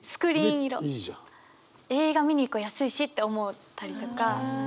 映画見に行こう安いしって思ったりとか。